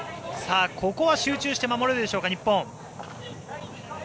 ここは集中して守れるでしょうか日本。